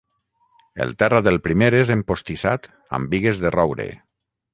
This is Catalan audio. El terra del primer és empostissat amb bigues de roure.